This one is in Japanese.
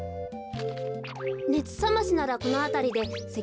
ねつさましならこのあたりでせきはこれ。